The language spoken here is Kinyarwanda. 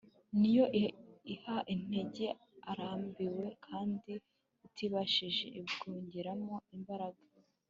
ni yo iha intege abarambiwe, kandi utibashije imwongeramo imbaraga